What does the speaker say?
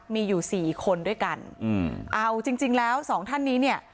มีอยู่สี่คนด้วยกันอืมเอาจริงจริงแล้วสองท่านนี้เนี่ย